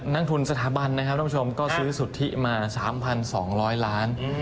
นักทุนสถาบันนะครับท่านผู้ชมก็ซื้อสุทธิมา๓๒๐๐ล้าน